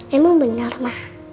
emang benar ma